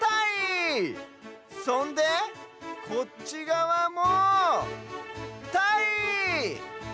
そんでこっちがわもたい！